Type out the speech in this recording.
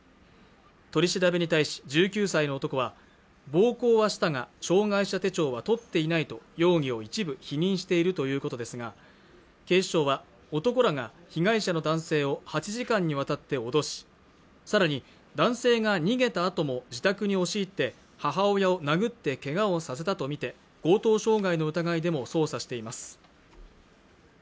取り調べに対し１９歳の男は暴行はしたが障害者手帳は取っていないと容疑を一部否認しているということですが警視庁は男らが被害者の男性を８時間にわたって脅しさらに男性が逃げたあとも自宅に押し入って母親を殴ってけがをさせたとみて強盗傷害の疑いでも捜査しています